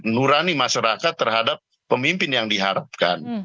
nurani masyarakat terhadap pemimpin yang diharapkan